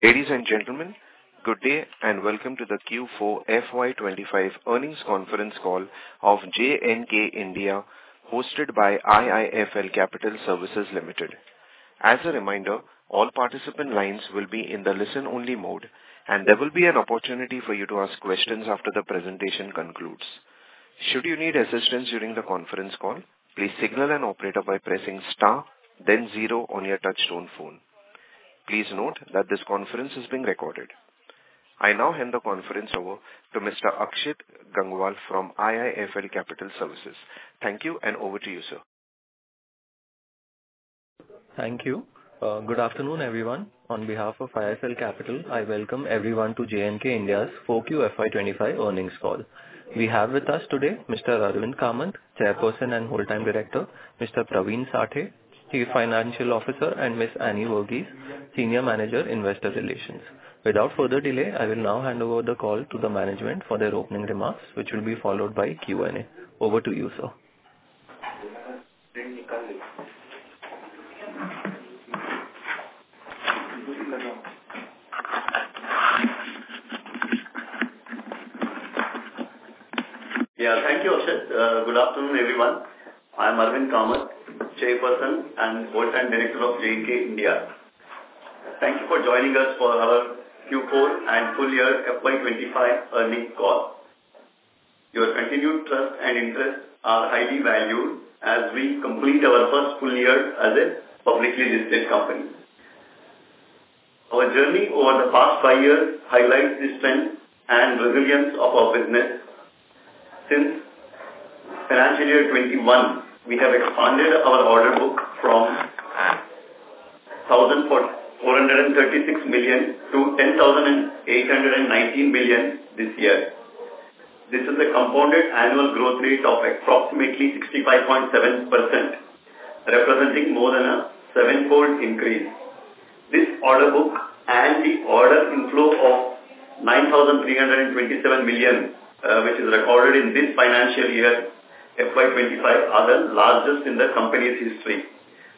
Ladies and gentlemen, good day and welcome to the Q4 FY 2025 earnings conference call of JNK India, hosted by IIFL Capital Services Limited. As a reminder, all participant lines will be in the listen only mode, and there will be an opportunity for you to ask questions after the presentation concludes. Should you need assistance during the conference call, please signal an operator by pressing star then zero on your touch-tone phone. Please note that this conference is being recorded. I now hand the conference over to Mr. Akshit Gangwal from IIFL Capital Services. Thank you, and over to you, sir. Thank you. Good afternoon, everyone. On behalf of IIFL Capital, I welcome everyone to JNK India's 4Q FY 2025 earnings call. We have with us today Mr. Arvind Kamath, Chairperson and Whole-time Director, Mr. Pravin Sathe, Chief Financial Officer, and Miss Annie Varghese, Senior Manager, Investor Relations. Without further delay, I will now hand over the call to the management for their opening remarks, which will be followed by Q&A. Over to you, sir. Yeah. Thank you, Akshit. Good afternoon, everyone. I'm Arvind Kamath, Chairperson and Whole-time Director of JNK India. Thank you for joining us for our Q4 and full year FY 2025 earnings call. Your continued trust and interest are highly valued as we complete our first full year as a publicly listed company. Our journey over the past five years highlights the strength and resilience of our business. Since FY 2021, we have expanded our order book from 4,436 million to 10,819 million this year. This is a compounded annual growth rate of approximately 65.7%, representing more than a seven-fold increase. This order book and the order inflow of 9,327 million, which is recorded in this financial year, FY 2025, are the largest in the company's history,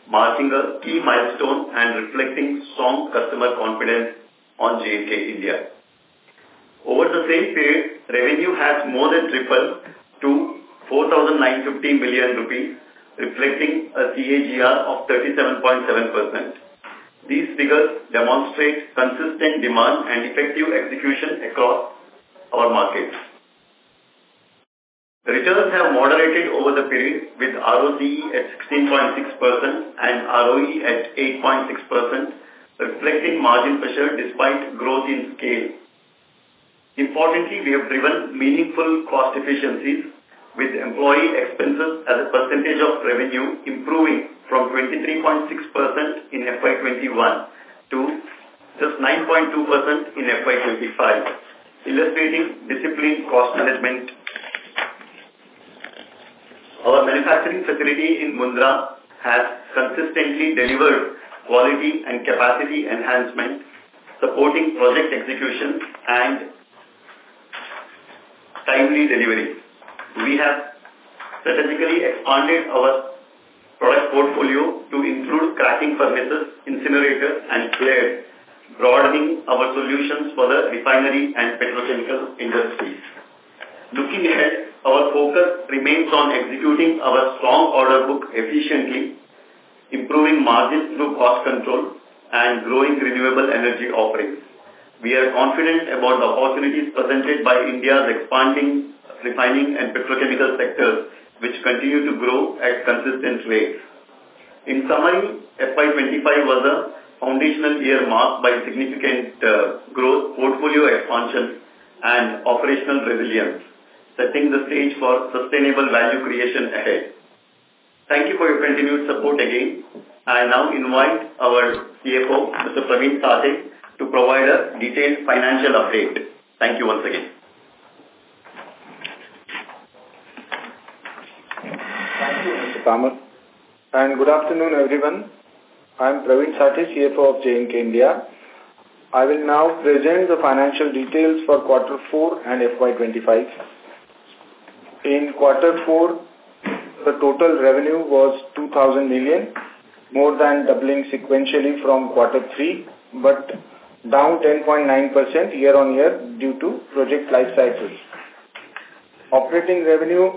marking a key milestone and reflecting strong customer confidence on JNK India. Over the same period, revenue has more than tripled to 4,950 million rupees, reflecting a CAGR of 37.7%. These figures demonstrate consistent demand and effective execution across our markets. Returns have moderated over the period with ROCE at 16.6% and ROE at 8.6%, reflecting margin pressure despite growth in scale. Importantly, we have driven meaningful cost efficiencies with employee expenses as a percentage of revenue improving from 23.6% in FY 2021 to just 9.2% in FY 2025, illustrating disciplined cost management. Our manufacturing facility in Mundra has consistently delivered quality and capacity enhancement, supporting project execution and timely delivery. We have strategically expanded our product portfolio to include cracking furnaces, incinerators, and flares, broadening our solutions for the refinery and petrochemical industries. Looking ahead, our focus remains on executing our strong order book efficiently, improving margins through cost control, and growing renewable energy offerings. We are confident about the opportunities presented by India's expanding refining and petrochemical sectors, which continue to grow at consistent rates. In summary, FY 2025 was a foundational year marked by significant growth, portfolio expansion, and operational resilience, setting the stage for sustainable value creation ahead. Thank you for your continued support again. I now invite our CFO, Mr. Pravin Sathe, to provide a detailed financial update. Thank you once again. Thank you, Mr. Kamath, and good afternoon, everyone. I'm Pravin Sathe, CFO of JNK India. I will now present the financial details for Quarter four and FY 2025. In Quarter four, the total revenue was 2,000 million, more than doubling sequentially from Quarter three, but down 10.9% year-on-year due to project life cycles. Operating revenue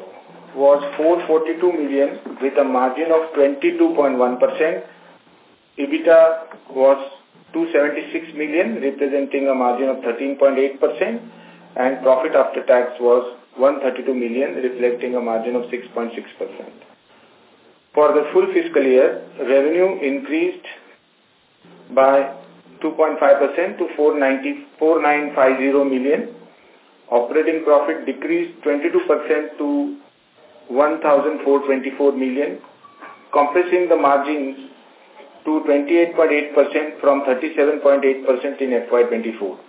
was 442 million, with a margin of 22.1%. EBITDA was 276 million, representing a margin of 13.8%. Profit after tax was 132 million, reflecting a margin of 6.6%. For the full fiscal year, revenue increased by 2.5% to 4,950 million. Operating profit decreased 22% to 1,424 million, compressing the margins to 28.8% from 37.8% in FY 2024.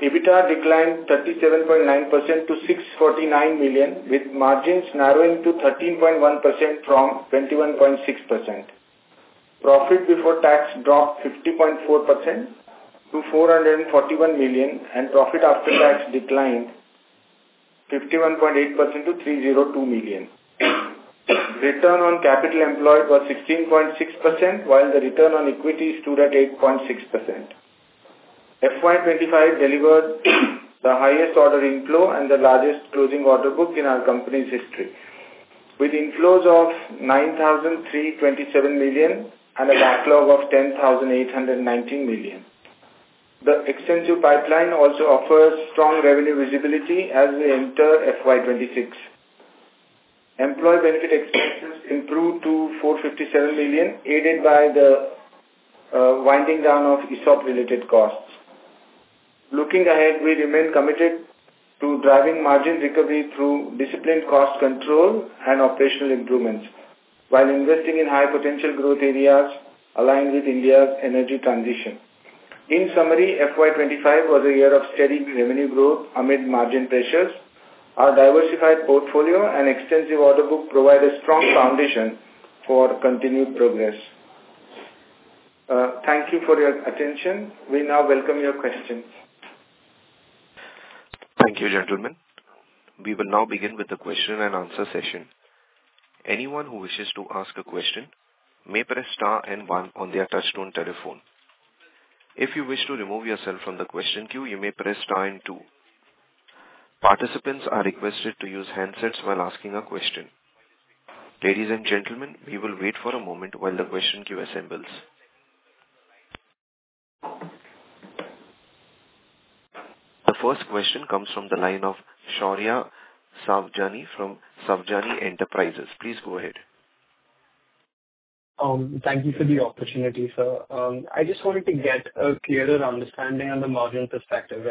EBITDA declined 37.9% to 649 million, with margins narrowing to 13.1% from 21.6%. Profit before tax dropped 50.4% to 441 million, and profit after tax declined 51.8% to 302 million. Return on capital employed was 16.6%, while the return on equity stood at 8.6%. FY 2025 delivered the highest order inflow and the largest closing order book in our company's history. With inflows of 9,327 million and a backlog of 10,819 million. The extensive pipeline also offers strong revenue visibility as we enter FY 2026. Employee benefit expenses improved to 457 million, aided by the winding down of ESOP-related costs. Looking ahead, we remain committed to driving margin recovery through disciplined cost control and operational improvements, while investing in high potential growth areas aligned with India's energy transition. In summary, FY 2025 was a year of steady revenue growth amid margin pressures. Our diversified portfolio and extensive order book provide a strong foundation for continued progress. Thank you for your attention. We now welcome your questions. Thank you, gentlemen. We will now begin with the question and answer session. Anyone who wishes to ask a question may press star and one on their touchtone telephone. If you wish to remove yourself from the question queue, you may press star and two. Participants are requested to use handsets while asking a question. Ladies and gentlemen, we will wait for a moment while the question queue assembles. The first question comes from the line of Shaurya Savjani from Savjani Enterprises. Please go ahead. Thank you for the opportunity, sir. I just wanted to get a clearer understanding on the margin perspective.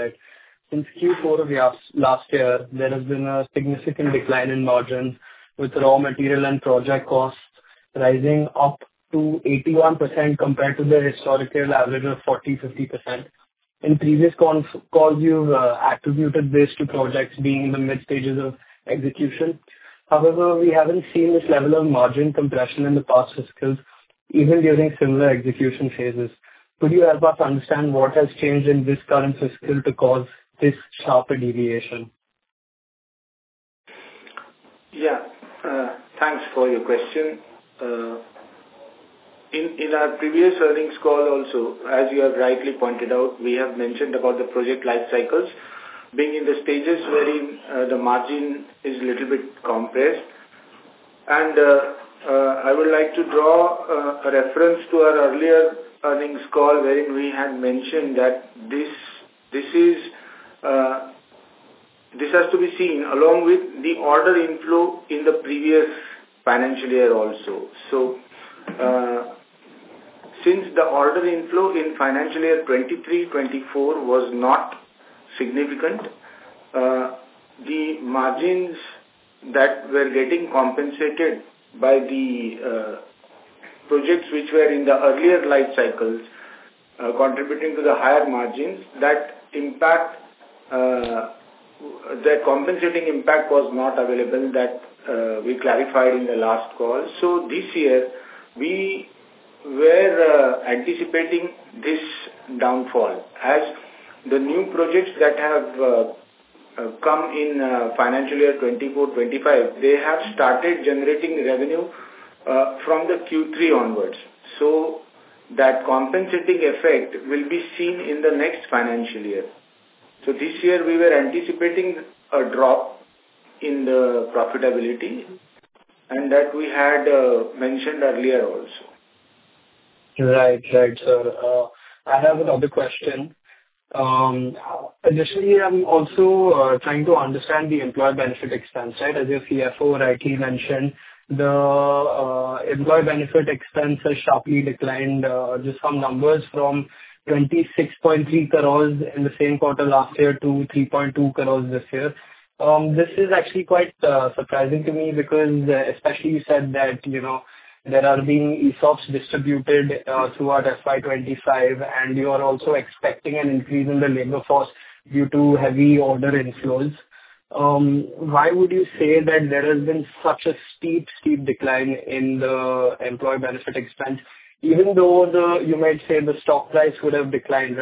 Since Q4 of last year, there has been a significant decline in margin with raw material and project costs rising up to 81% compared to the historical average of 40%-50%. In previous calls, you attributed this to projects being in the mid stages of execution. However, we haven't seen this level of margin compression in the past fiscals, even during similar execution phases. Could you help us understand what has changed in this current fiscal to cause this sharper deviation? Yeah. Thanks for your question. In our previous earnings call also, as you have rightly pointed out, we have mentioned about the project life cycles being in the stages wherein the margin is little bit compressed. I would like to draw a reference to our earlier earnings call, wherein we had mentioned that this has to be seen along with the order inflow in the previous financial year also. Since the order inflow in FY 2024 was not significant, the margins that were getting compensated by the projects which were in the earlier life cycles, contributing to the higher margins, the compensating impact was not available, that we clarified in the last call. This year, we were anticipating this downfall. The new projects that have come in FY 2025, they have started generating revenue from the Q3 onwards. That compensating effect will be seen in the next financial year. This year we were anticipating a drop in the profitability, and that we had mentioned earlier also. Right, sir. I have another question. Additionally, I am also trying to understand the employee benefit expense. As your CFO rightly mentioned, the employee benefit expense has sharply declined, just some numbers, from 26.3 crore in the same quarter last year to 3.2 crore this year. This is actually quite surprising to me because, especially you said that there are being ESOPs distributed throughout FY 2025, and you are also expecting an increase in the labor force due to heavy order inflows. Why would you say that there has been such a steep decline in the employee benefit expense, even though you might say the stock price would have declined.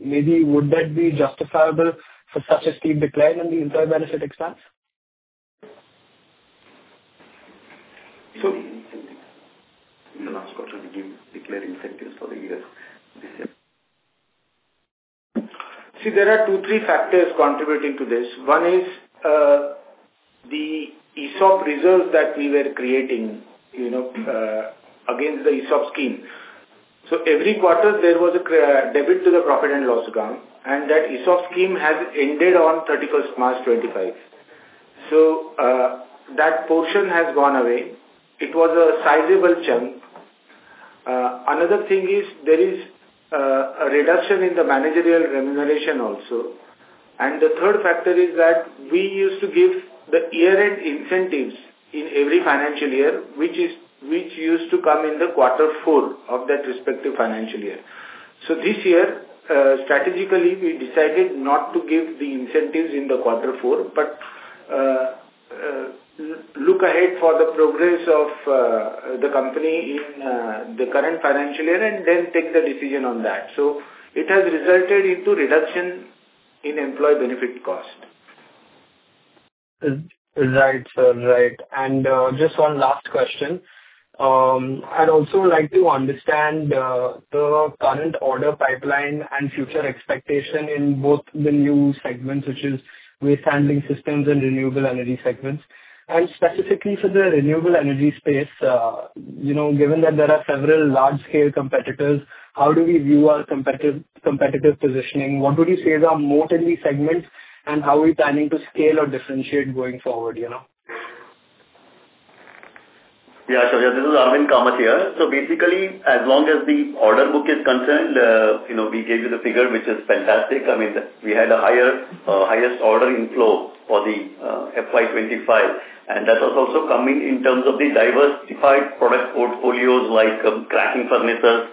Maybe would that be justifiable for such a steep decline in the employee benefit expense? So- In the last quarter, we gave declared incentives for the year. See, there are two, three factors contributing to this. One is the ESOP reserves that we were creating against the ESOP scheme. Every quarter, there was a debit to the profit and loss account, and that ESOP scheme has ended on 31st March 2025. That portion has gone away. It was a sizable chunk. Another thing is there is a reduction in the managerial remuneration also. The third factor is that we used to give the year-end incentives in every financial year, which used to come in the quarter four of that respective financial year. This year, strategically, we decided not to give the incentives in the quarter four, but look ahead for the progress of the company in the current financial year, and then take the decision on that. It has resulted into reduction in employee benefit cost. Right, sir. Just one last question. I'd also like to understand the current order pipeline and future expectation in both the new segments, which is waste handling systems and renewable energy segments. Specifically for the renewable energy space, given that there are several large-scale competitors, how do we view our competitive positioning? What would you say is our moat in the segment, and how are we planning to scale or differentiate going forward? Sure. This is Arvind Kamath here. Basically, as long as the order book is concerned, we gave you the figure, which is fantastic. We had the highest order inflow for FY 2025, that was also coming in terms of the diversified product portfolios like cracking furnaces,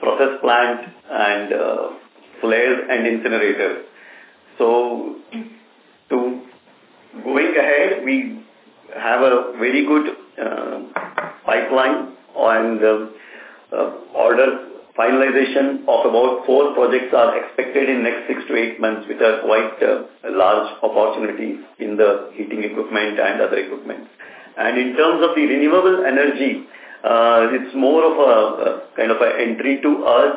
process plants, and flares and incinerators. Going ahead, we have a very good pipeline, the order finalization of about four projects are expected in the next six to eight months, which are quite large opportunities in the heating equipment and other equipment. In terms of the renewable energy, it's more of an entry to us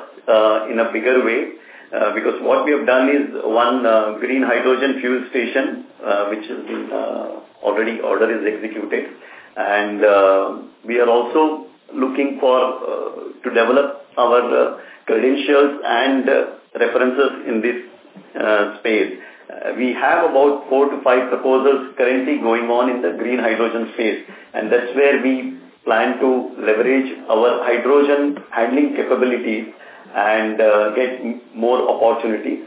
in a bigger way. Because what we have done is one green hydrogen fuel station, which is already order is executed. We are also looking to develop our credentials and references in this space. We have about four to five proposals currently going on in the green hydrogen space, and that's where we plan to leverage our hydrogen handling capabilities and get more opportunities.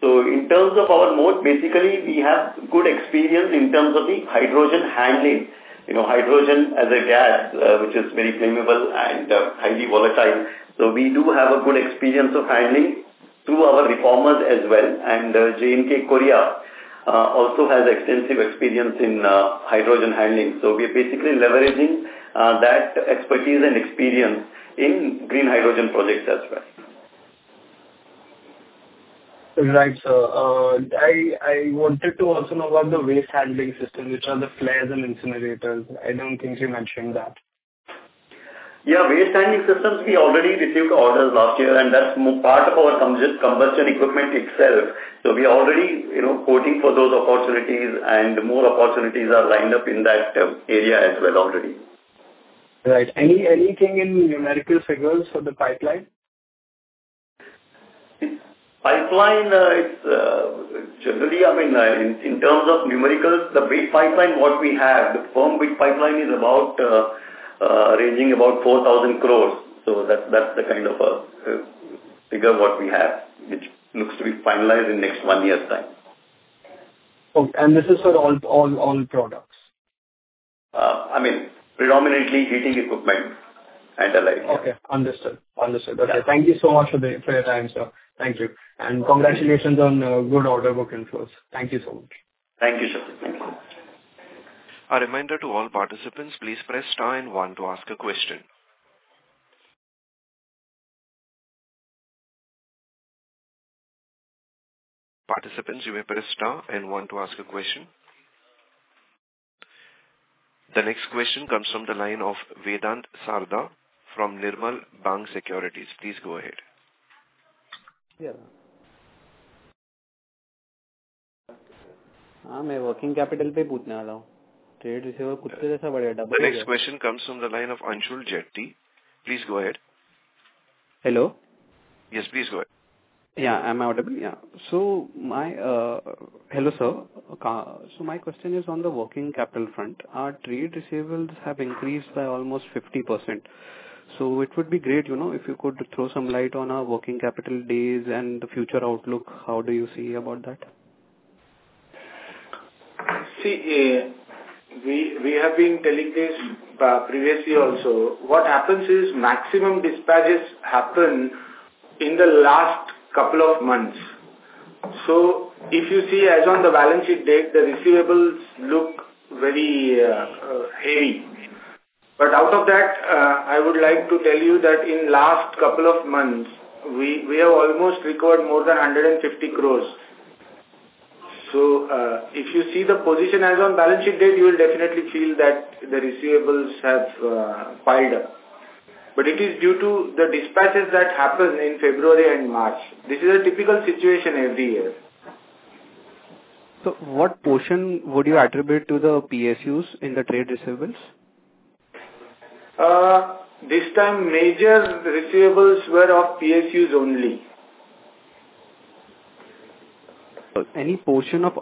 In terms of our moat, basically, we have good experience in terms of the hydrogen handling. Hydrogen as a gas, which is very flammable and highly volatile. We do have a good experience of handling through our reformers as well, and JNK Korea also has extensive experience in hydrogen handling. We are basically leveraging that expertise and experience in green hydrogen projects as well. Right, sir. I wanted to also know about the waste handling system, which are the flares and incinerators. I don't think you mentioned that. Yeah. Waste handling systems, we already received orders last year, and that's part of our combustion equipment itself. We already quoting for those opportunities, and more opportunities are lined up in that area as well already. Right. Anything in numerical figures for the pipeline? Pipeline, generally, in terms of numericals, the big pipeline, what we have, the firm bid pipeline is ranging about 4,000 crore. That's the kind of figure what we have, which looks to be finalized in next one year's time. Okay. This is for all products? Predominantly heating equipment and the like. Okay, understood. Thank you so much for your time, sir. Thank you. Congratulations on good order book inflows. Thank you so much. Thank you, sir. A reminder to all participants, please press star and one to ask a question. Participants, you may press star and one to ask a question. The next question comes from the line of Vedant Sarda from Nirmal Bang Securities. Please go ahead. Yeah. I'm working capital. The next question comes from the line of Anshul Jetti. Please go ahead. Hello. Yes. Please go ahead. Yeah. Am I audible? Hello, sir. My question is on the working capital front. Our trade receivables have increased by almost 50%. It would be great if you could throw some light on our working capital days and the future outlook. How do you see about that? See, we have been telling this previously also. What happens is maximum dispatches happen in the last couple of months. If you see as on the balance sheet date, the receivables look very hairy. Out of that, I would like to tell you that in last couple of months, we have almost recovered more than 150 crores. If you see the position as on balance sheet date, you will definitely feel that the receivables have piled up. It is due to the dispatches that happen in February and March. This is a typical situation every year. What portion would you attribute to the PSUs in the trade receivables? This time, major receivables were of PSUs only. Any portion of.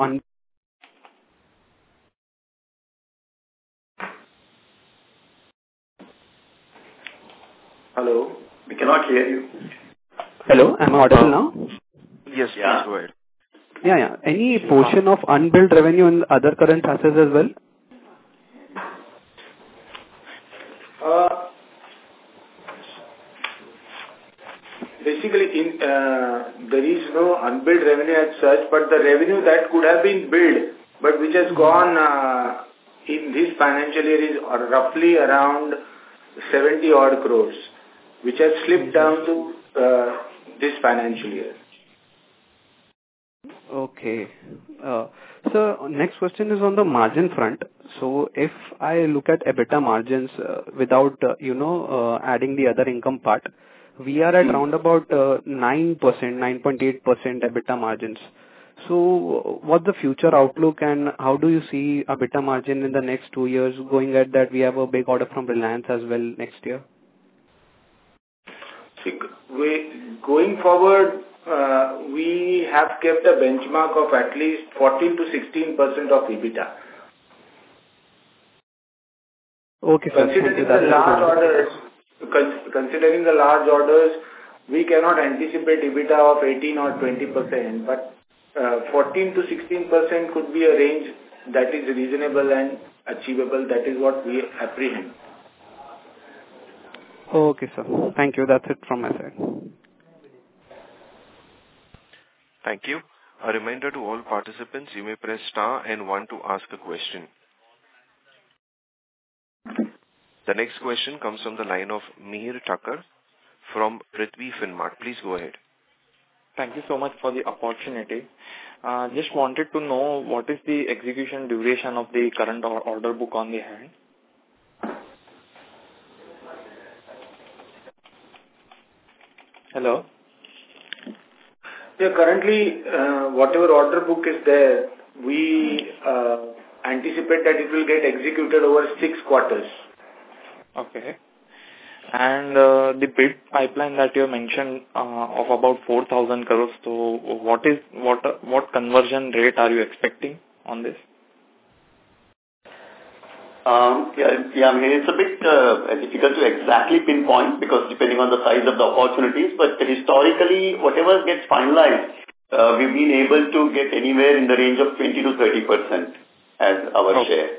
Hello, we cannot hear you. Hello, am I audible now? Yes. Please go ahead. Yeah. Any portion of unbilled revenue in other current assets as well? There is no unbilled revenue as such, but the revenue that could have been billed, but which has gone in this financial year, is roughly around 70 odd crore, which has slipped down to this financial year. Okay. Sir, next question is on the margin front. If I look at EBITDA margins without adding the other income part, we are at around about 9.8% EBITDA margins. What's the future outlook and how do you see EBITDA margin in the next two years going at that we have a big order from Reliance as well next year? See, going forward, we have kept a benchmark of at least 14%-16% of EBITDA. Okay, sir. Considering the large orders, we cannot anticipate EBITDA of 18% or 20%, but 14%-16% could be a range that is reasonable and achievable. That is what we apprehend. Okay, sir. Thank you. That's it from my side. Thank you. A reminder to all participants, you may press star and one to ask a question. The next question comes from the line of Mihir Thakker from Prithvi Finmart. Please go ahead. Thank you so much for the opportunity. Just wanted to know what is the execution duration of the current order book on hand. Hello? Currently, whatever order book is there, we anticipate that it will get executed over six quarters. Okay. The bid pipeline that you have mentioned of about 4,000 crore, what conversion rate are you expecting on this? Yeah, it's a bit difficult to exactly pinpoint because depending on the size of the opportunities, but historically, whatever gets finalized, we've been able to get anywhere in the range of 20%-30% as our share.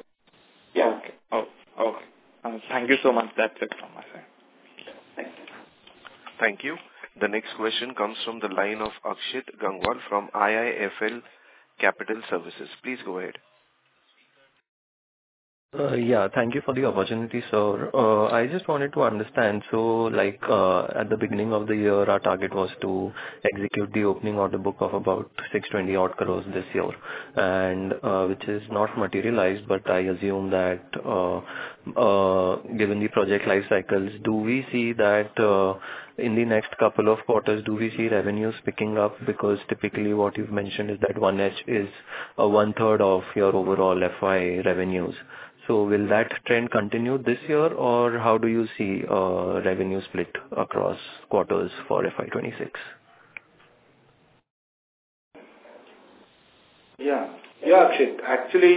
Okay. Thank you so much. That's it from my side. Thank you. The next question comes from the line of Akshit Gangwal from IIFL Capital Services. Please go ahead. Yeah, thank you for the opportunity, sir. I just wanted to understand. Like at the beginning of the year, our target was to execute the opening order book of about 620 odd crore this year, and which is not materialized, but I assume that given the project life cycles, do we see that in the next couple of quarters, revenues picking up? Typically what you've mentioned is that 1H is 1/3 of your overall FY revenues. Will that trend continue this year, or how do you see revenue split across quarters for FY 2026? Yeah. Akshit, actually,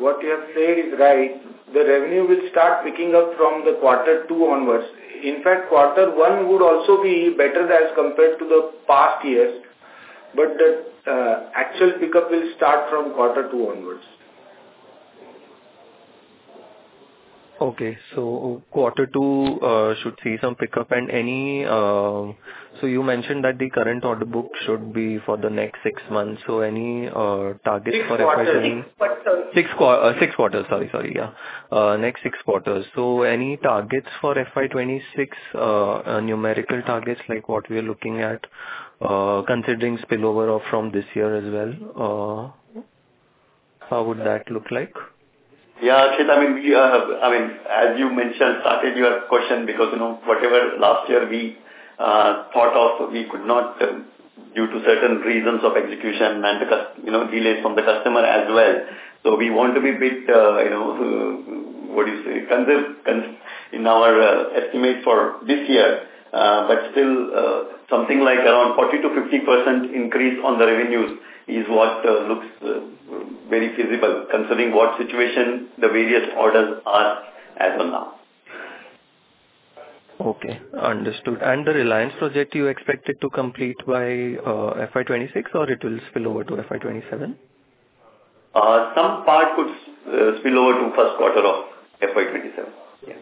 what you have said is right. The revenue will start picking up from the quarter two onwards. In fact, quarter one would also be better as compared to the past years, but the actual pickup will start from quarter two onwards. Okay. Quarter two should see some pickup. You mentioned that the current order book should be for the next six months. Any target for FY 2026? Six quarters. Six quarters. Sorry. Yeah. Next six quarters. Any targets for FY 2026, numerical targets, like what we are looking at, considering spillover of from this year as well? How would that look like? Yeah, Akshit, as you mentioned, started your question because whatever last year we thought of, we could not due to certain reasons of execution and delays from the customer as well. We want to be a bit, what you say, conservative in our estimate for this year. Still, something like around 40%-50% increase on the revenues is what looks very feasible considering what situation the various orders are as of now. Okay, understood. The Reliance project, you expect it to complete by FY 2026 or it will spill over to FY 2027? Some part could spill over to first quarter of FY 2027. Yes.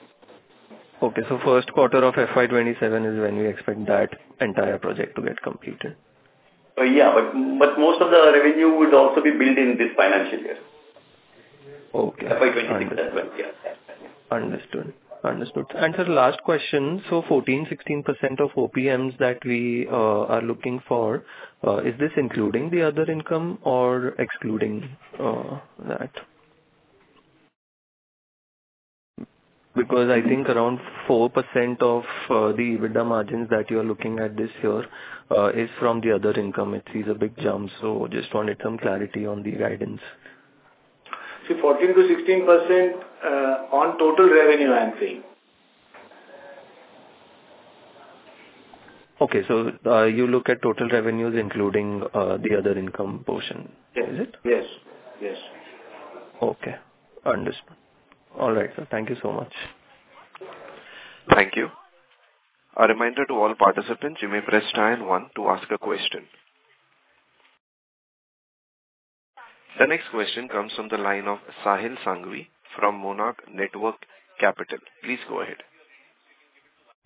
Okay, first quarter of FY 2027 is when we expect that entire project to get completed. Yeah. Most of the revenue would also be billed in this financial year. Okay. FY 2026 as well. Understood. Sir, last question. 14%, 16% of OPMs that we are looking for, is this including the other income or excluding that? Because I think around 4% of the EBITDA margins that you're looking at this year is from the other income. It is a big jump. just wanted some clarity on the guidance. See, 14%-16% on total revenue, I'm saying. Okay. You look at total revenues including the other income portion. Is it? Yes. Okay. Understood. All right, sir. Thank you so much. Thank you. The next question comes from the line of Sahil Sanghvi from Monarch Networth Capital. Please go ahead.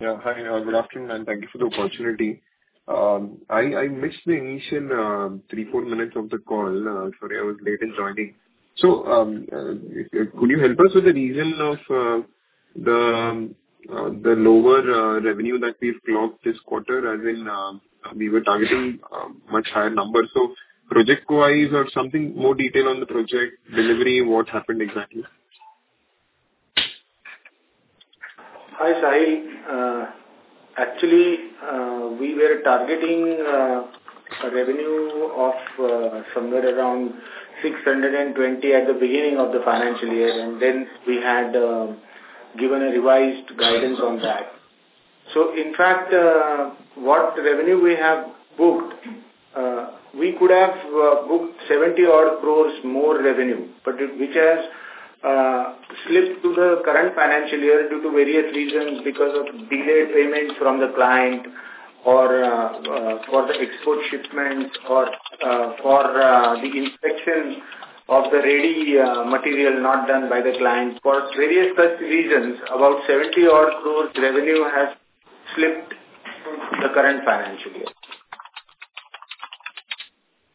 Yeah. Hi, good afternoon, and thank you for the opportunity. I missed the initial three, four minutes of the call. Sorry, I was late in joining. Could you help us with the reason of the lower revenue that we've clocked this quarter, as in we were targeting much higher numbers. Project-wise or something, more detail on the project delivery, what happened exactly? Hi, Sahil. Actually, we were targeting a revenue of somewhere around 620 crore at the beginning of the financial year, and then we had given a revised guidance on that. In fact, what revenue we have booked, we could have booked 70 odd crores more revenue, but which has slipped to the current financial year due to various reasons, because of delayed payments from the client or for the export shipments or for the inspection of the ready material not done by the client. For various such reasons, about 70 odd crores revenue has slipped to the current financial year.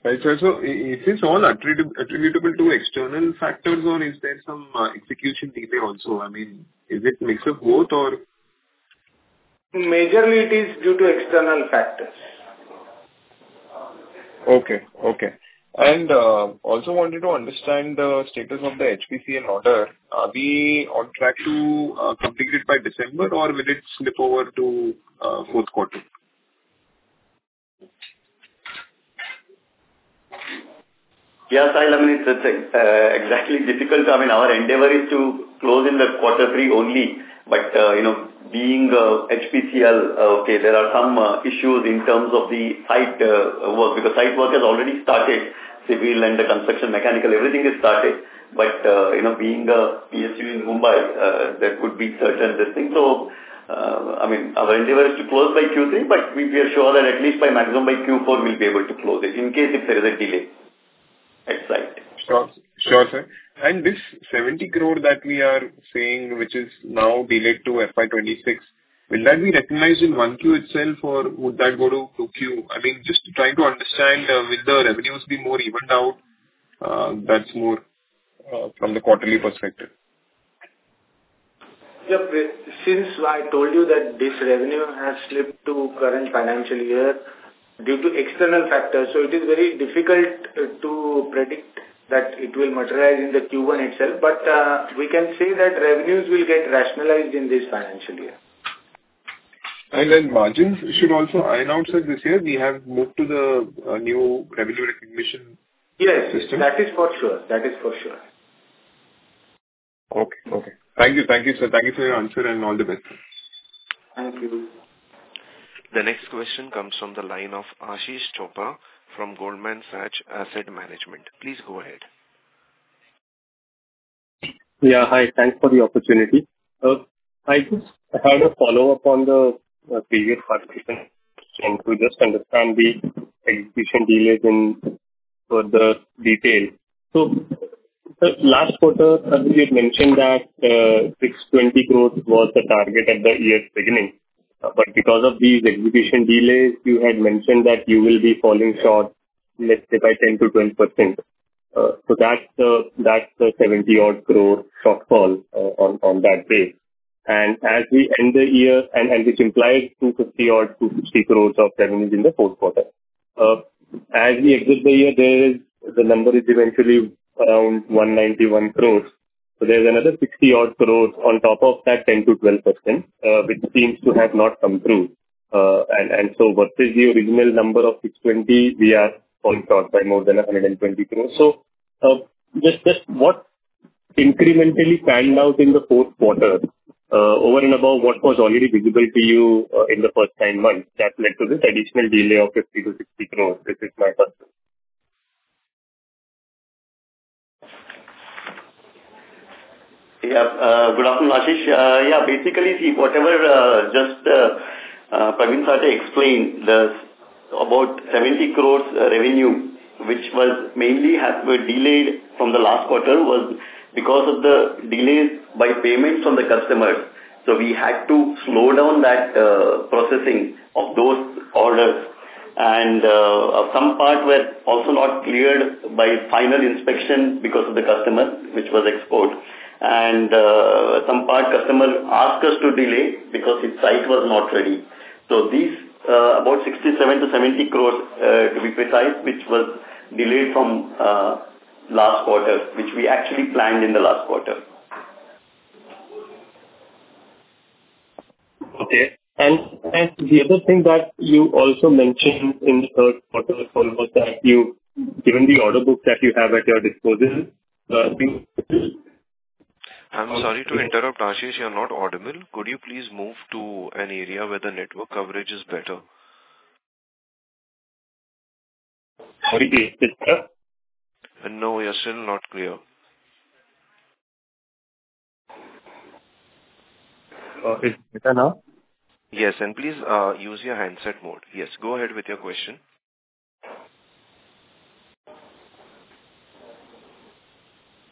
Right. Is this all attributable to external factors, or is there some execution detail also? Is it mix of both or? Majorly it is due to external factors. Okay. Also wanted to understand the status of the HPCL order. Are we on track to complete it by December, or will it slip over to fourth quarter? Yeah, Sahil, it's exactly difficult. Our endeavor is to close in the quarter three only. Being HPCL, okay, there are some issues in terms of the site work, because site work has already started. Civil and the construction, mechanical, everything is started. Being a PSU in Mumbai, there could be certain this thing. Our endeavor is to close by Q3, but we are sure that at least by maximum by Q4, we'll be able to close it in case if there is a delay. That's right. Sure, sir. This 70 crore that we are saying, which is now delayed to FY 2026, will that be recognized in 1Q itself, or would that go to 2Q? Just trying to understand, will the revenues be more evened out? That's more from the quarterly perspective. Since I told you that this revenue has slipped to current financial year due to external factors, it is very difficult to predict that it will materialize in the Q1 itself. We can say that revenues will get rationalized in this financial year. Margins should also iron out, sir. This year we have moved to the new revenue recognition system. Yes, that is for sure. Okay. Thank you, sir. Thank you for your answer, and all the best. Thank you. The next question comes from the line of Ashish Chopra from Goldman Sachs Asset Management. Please go ahead. Yeah, hi. Thanks for the opportunity. I just had a follow-up on the previous participant to just understand the execution delays in further detail. Last quarter, Pravin had mentioned that 620 crore was the target at the year's beginning. Because of these execution delays, you had mentioned that you will be falling short, let's say, by 10%-20%. That's the 70 odd crore shortfall on that base. As we end the year, and which implies 250 odd crore, 260 crore of revenue in the fourth quarter. As we exit the year, the number is eventually around 191 crore. There's another 60 odd crore on top of that 10%-12%, which seems to have not come through. Versus the original number of 620 crore, we are falling short by more than 120 crore. Just what incrementally panned out in the fourth quarter, over and above what was already visible to you in the first nine months that led to this additional delay of 50 crore-60 crore? This is my first one. Good afternoon, Ashish. Whatever just Pravin Sathe explained, about 70 crores revenue, which mainly has been delayed from the last quarter, was because of the delays by payments from the customers. We had to slow down that processing of those orders. Some part were also not cleared by final inspection because of the customer, which was export. Some part, customer asked us to delay because its site was not ready. These, about 67 crores-70 crores, to be precise, which was delayed from last quarter, which we actually planned in the last quarter. Okay. The other thing that you also mentioned in the third quarter call was that given the order book that you have at your disposal. I'm sorry to interrupt, Ashish, you're not audible. Could you please move to an area where the network coverage is better? How did we assist, sir? No, you're still not clear. Okay. Better now? Yes, please use your handset mode. Yes, go ahead with your question.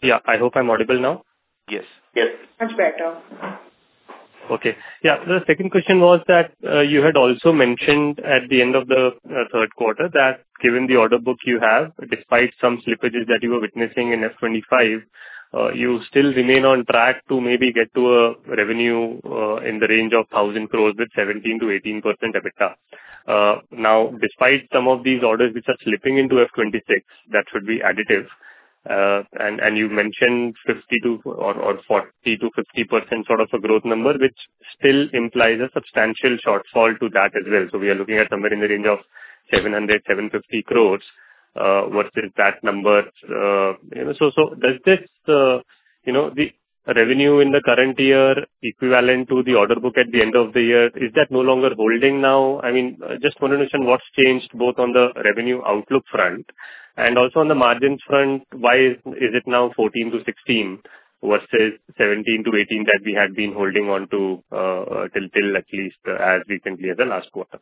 Yeah. I hope I'm audible now. Yes. Yes. Much better. Okay. Yeah. The second question was that you had also mentioned at the end of the third quarter that given the order book you have, despite some slippages that you were witnessing in FY 2025, you still remain on track to maybe get to a revenue in the range of 1,000 crore with 17%-18% EBITDA. Despite some of these orders which are slipping into FY 2026, that should be additive. You mentioned 40%-50% sort of a growth number, which still implies a substantial shortfall to that as well. We are looking at somewhere in the range of 700 crore-750 crore versus that number. Does this, the revenue in the current year equivalent to the order book at the end of the year, is that no longer holding now? I just want to understand what's changed both on the revenue outlook front and also on the margin front. Why is it now 14%-16% versus 17%-18% that we had been holding on to till at least as recently as the last quarter?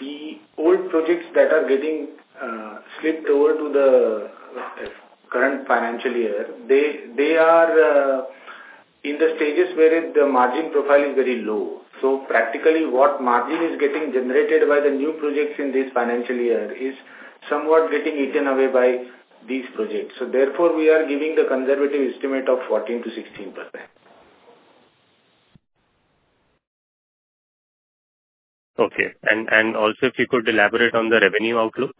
The old projects that are getting slipped over to the current financial year, they are in the stages where the margin profile is very low. Practically what margin is getting generated by the new projects in this financial year is somewhat getting eaten away by these projects. Therefore, we are giving the conservative estimate of 14%-16%. Okay. Also if you could elaborate on the revenue outlook?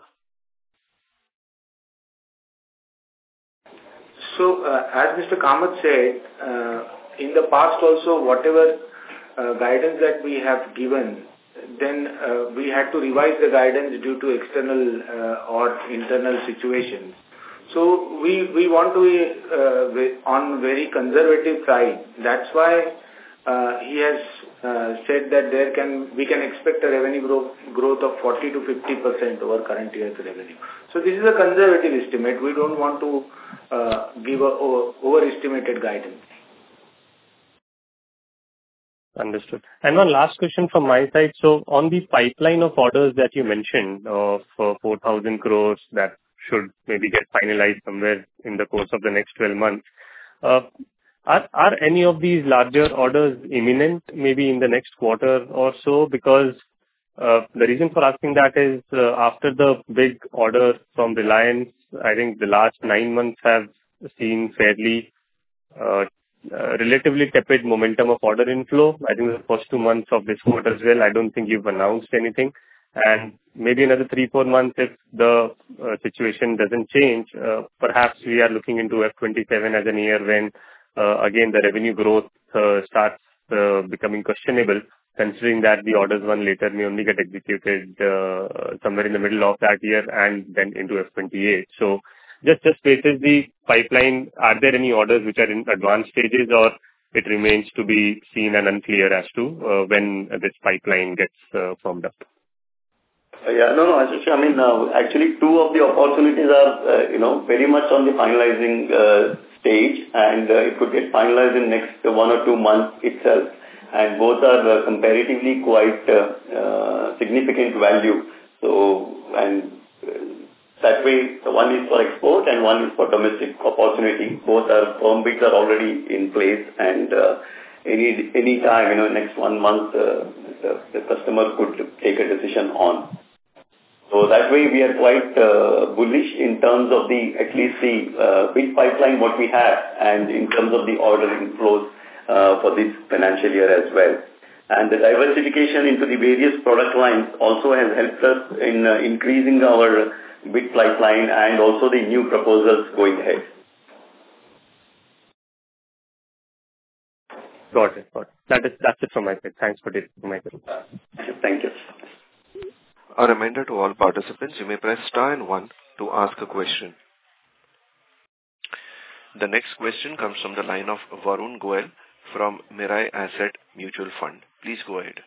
As Mr. Kamath said, in the past also whatever guidance that we have given, then we had to revise the guidance due to external or internal situations. We want to be on very conservative side. That's why he has said that we can expect a revenue growth of 40% to 50% over current year's revenue. This is a conservative estimate. We don't want to give overestimated guidance. Understood. One last question from my side. On the pipeline of orders that you mentioned of 4,000 crores that should maybe get finalized somewhere in the course of the next 12 months. Are any of these larger orders imminent, maybe in the next quarter or so? The reason for asking that is, after the big order from Reliance, I think the last nine months have seen fairly relatively tepid momentum of order inflow. I think the first two months of this quarter as well, I don't think you've announced anything. Maybe another three, four months, if the situation doesn't change, perhaps we are looking into FY 2027 as a year when again, the revenue growth starts becoming questionable considering that the orders won later may only get executed somewhere in the middle of that year and then into FY 2028. Just as phases the pipeline, are there any orders which are in advanced stages or it remains to be seen and unclear as to when this pipeline gets firmed up? Yeah. No, Ashish Chopra. Actually, two of the opportunities are very much on the finalizing stage, and it could get finalized in next one or two months itself. Both are comparatively quite significant value. That way, one is for export and one is for domestic opportunity. Both bids are already in place, and anytime in the next one month, the customer could take a decision on. That way, we are quite bullish in terms of at least the big pipeline, what we have and in terms of the order inflows for this financial year as well. The diversification into the various product lines also has helped us in increasing our big pipeline and also the new proposals going ahead. Got it. That's it from my side. Thanks for this. Thank you. A reminder to all participants, you may press star and one to ask a question. The next question comes from the line of Varun Goel from Mirae Asset Mutual Fund. Please go ahead.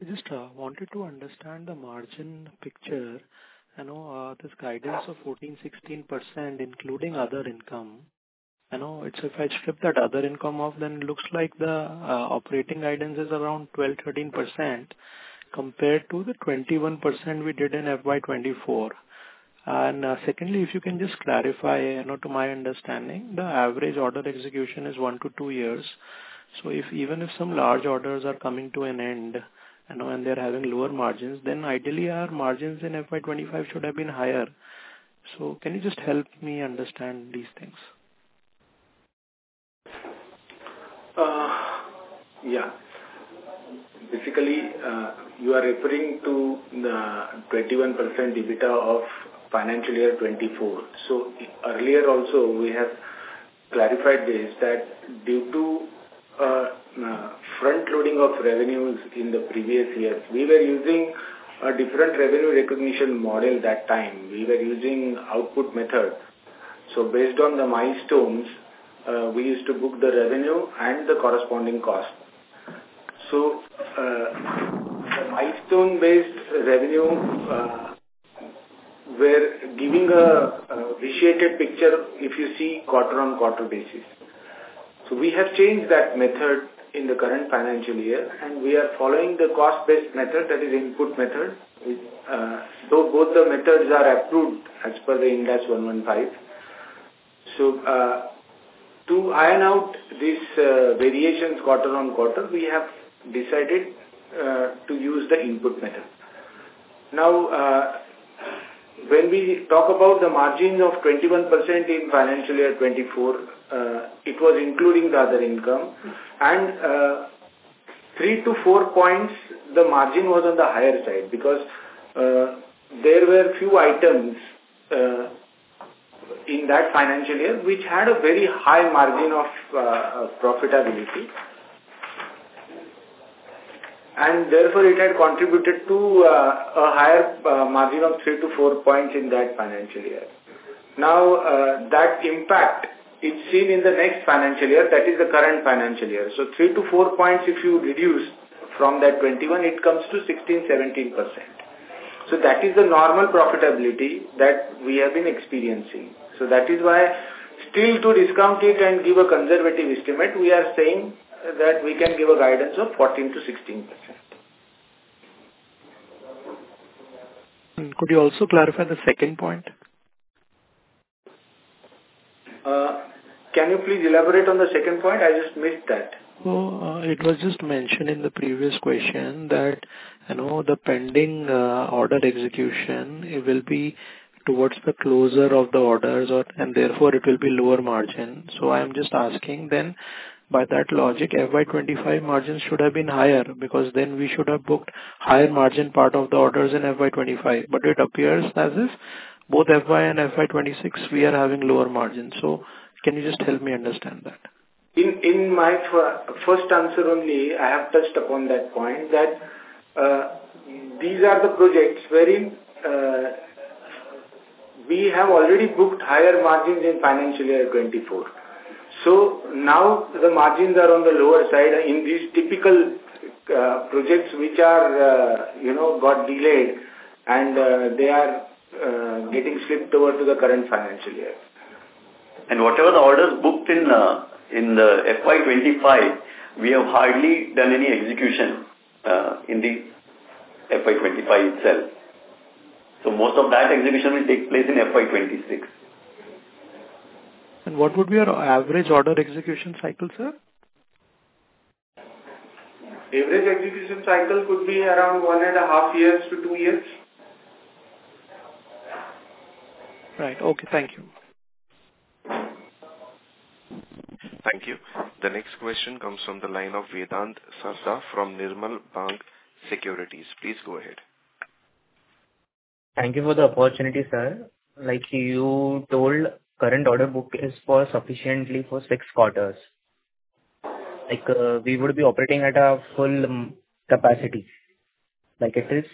I just wanted to understand the margin picture. I know this guidance of 14%, 16%, including other income. I know if I strip that other income off, then it looks like the operating guidance is around 12%, 13% compared to the 21% we did in FY 2024. Secondly, if you can just clarify, to my understanding, the average order execution is one to two years. Even if some large orders are coming to an end and they're having lower margins, then ideally our margins in FY 2025 should have been higher. Can you just help me understand these things? Yeah. Basically, you are referring to the 21% EBITDA of FY 2024. Earlier also, we have clarified this, that due to front-loading of revenues in the previous year. We were using a different revenue recognition model that time. We were using output method. Based on the milestones, we used to book the revenue and the corresponding cost. The milestone-based revenue were giving a vitiated picture if you see quarter-on-quarter basis. We have changed that method in the current financial year, and we are following the cost-based method, that is input method. Both the methods are approved as per the Ind AS 115. To iron out these variations quarter-on-quarter, we have decided to use the input method. When we talk about the margin of 21% in financial year 2024, it was including the other income and three to four points, the margin was on the higher side because there were few items in that financial year, which had a very high margin of profitability. Therefore, it had contributed to a higher margin of three to four points in that financial year. That impact is seen in the next financial year, that is the current financial year. Three to four points, if you reduce from that 21, it comes to 16%-17%. That is the normal profitability that we have been experiencing. That is why still to discount it and give a conservative estimate, we are saying that we can give a guidance of 14%-16%. Could you also clarify the second point? Can you please elaborate on the second point? I just missed that. It was just mentioned in the previous question that the pending order execution will be towards the closer of the orders and therefore it will be lower margin. I'm just asking then, by that logic, FY 2025 margins should have been higher because then we should have booked higher margin part of the orders in FY 2025. It appears as if both FY and FY 2026 we are having lower margins. Can you just help me understand that? In my first answer only, I have touched upon that point, that these are the projects where we have already booked higher margins in financial year 2024. Now the margins are on the lower side in these typical projects which got delayed, and they are getting slipped over to the current financial year. Whatever the orders booked in the FY 2025, we have hardly done any execution in the FY 2025 itself. Most of that execution will take place in FY 2026. What would be our average order execution cycle, sir? Average execution cycle could be around one and a half years to two years. Right. Okay. Thank you. Thank you. The next question comes from the line of Vedant Sarda from Nirmal Bang Securities. Please go ahead. Thank you for the opportunity, sir. Like you told, current order book is for sufficiently for six quarters. We would be operating at a full capacity, like it is.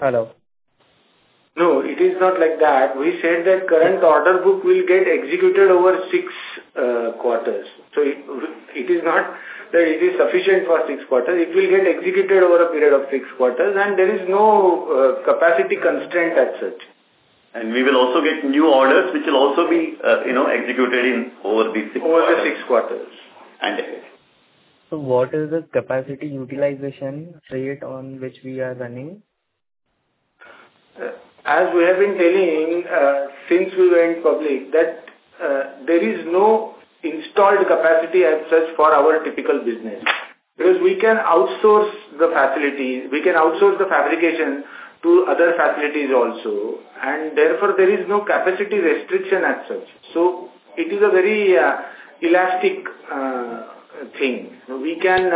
Hello? No, it is not like that. We said that current order book will get executed over six quarters. It is not that it is sufficient for six quarters. It will get executed over a period of six quarters, and there is no capacity constraint as such. We will also get new orders, which will also be executed over the six quarters. Over the six quarters. And then. What is the capacity utilization rate on which we are running? As we have been telling since we went public, that there is no installed capacity as such for our typical business. Because we can outsource the facility, we can outsource the fabrication to other facilities also, and therefore, there is no capacity restriction as such. It is a very elastic thing. We can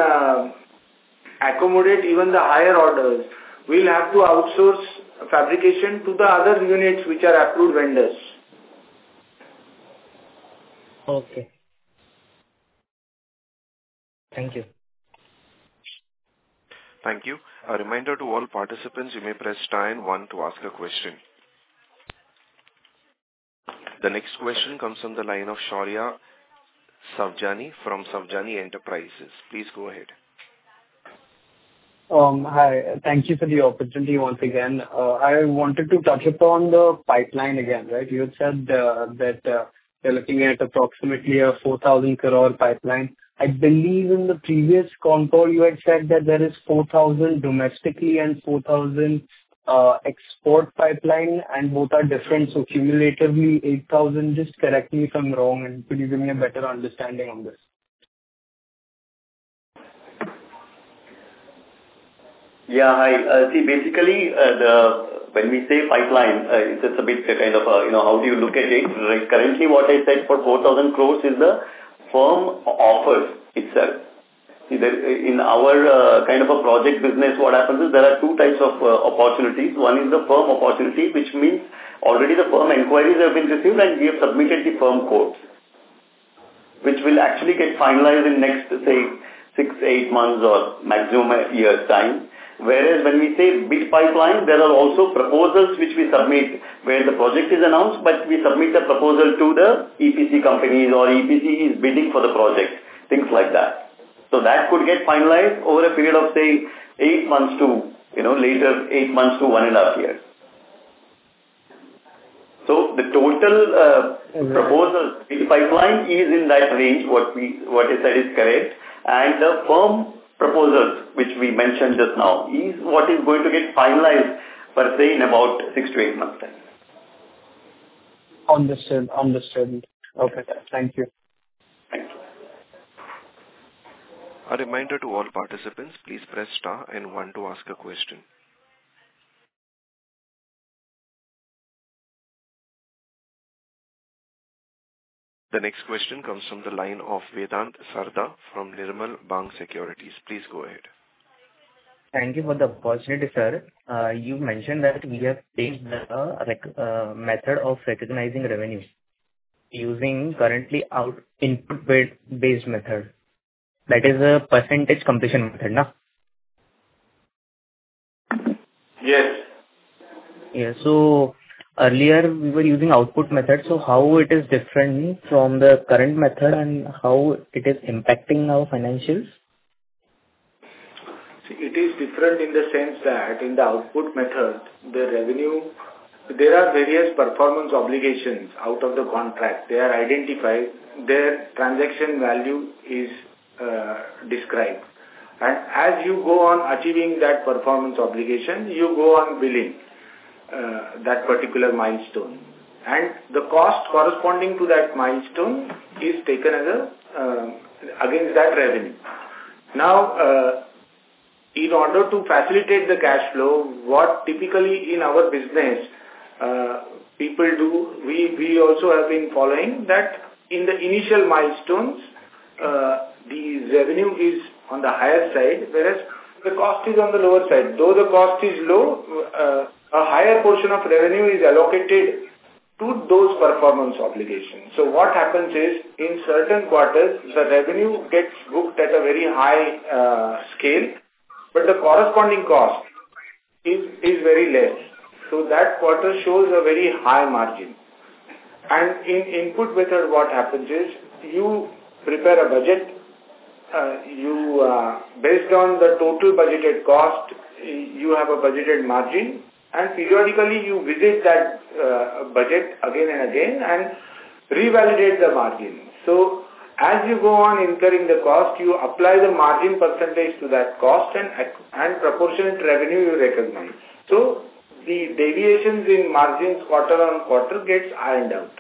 accommodate even the higher orders. We'll have to outsource fabrication to the other units, which are approved vendors. Okay. Thank you. Thank you. A reminder to all participants, you may press star one to ask a question. The next question comes from the line of Shaurya Savjani from Savjani Enterprises. Please go ahead. Hi. Thank you for the opportunity once again. I wanted to touch upon the pipeline again, right? You had said that you're looking at approximately a 4,000 crore pipeline. I believe in the previous call you had said that there is 4,000 crore domestically and 4,000 crore export pipeline, and both are different, so cumulatively 8,000 crore. Just correct me if I'm wrong, and please give me a better understanding on this? Hi. Basically, when we say pipeline, it's a bit of how do you look at it. Currently, what I said for 4,000 crore is the firm offers itself. In our kind of a project business, what happens is there are two types of opportunities. One is the firm opportunity, which means already the firm inquiries have been received, and we have submitted the firm quotes. Which will actually get finalized in next, say six, eight months or maximum a year's time. When we say big pipeline, there are also proposals which we submit where the project is announced, but we submit the proposal to the EPC companies or EPC is bidding for the project, things like that. That could get finalized over a period of, say, eight months to one and a half years. The total proposals, the pipeline is in that range. What you said is correct. The firm proposals which we mentioned just now is what is going to get finalized, but say in about six to eight months time. Understood. Okay. Thank you. Thank you. A reminder to all participants, please press star and one to ask a question. The next question comes from the line of Vedant Sarda from Nirmal Bang Securities. Please go ahead. Thank you for the opportunity, sir. You mentioned that we have changed the method of recognizing revenue using currently input-based method. That is a percentage completion method, no? Yes. Earlier we were using output method. How it is different from the current method and how it is impacting our financials? See, it is different in the sense that in the output method, there are various performance obligations out of the contract. They are identified, their transaction value is described. As you go on achieving that performance obligation, you go on billing that particular milestone. The cost corresponding to that milestone is taken against that revenue. In order to facilitate the cash flow, what typically in our business people do, we also have been following, that in the initial milestones, the revenue is on the higher side, whereas the cost is on the lower side. Though the cost is low, a higher portion of revenue is allocated to those performance obligations. What happens is, in certain quarters, the revenue gets booked at a very high scale, but the corresponding cost is very less. That quarter shows a very high margin. In input method, what happens is you prepare a budget. Based on the total budgeted cost, you have a budgeted margin, and periodically you visit that budget again and again and revalidate the margin. As you go on incurring the cost, you apply the margin percentage to that cost and proportionate revenue you recognize. The deviations in margins quarter-on-quarter gets ironed out.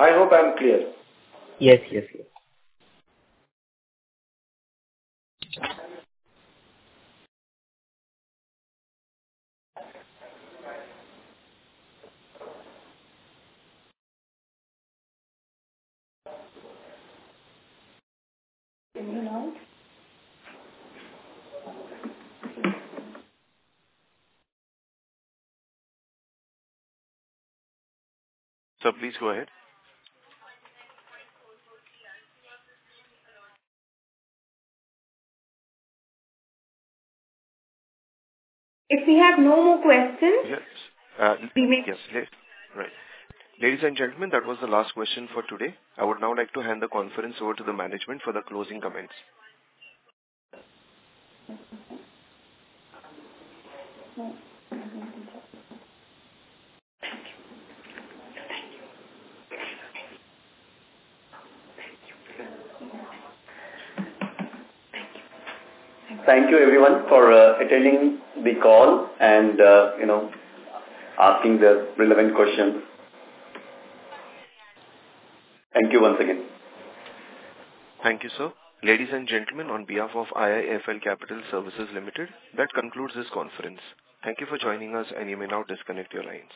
I hope I'm clear. Yes. Sir, please go ahead. If we have no more questions. Yes. Right. Ladies and gentlemen, that was the last question for today. I would now like to hand the conference over to the management for the closing comments. Thank you everyone for attending the call and asking the relevant questions. Thank you once again. Thank you, sir. Ladies and gentlemen, on behalf of IIFL Capital Services Limited, that concludes this conference. Thank you for joining us, and you may now disconnect your lines.